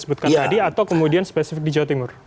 yang disebutkan tadi atau kemudian spesifik di jawa timur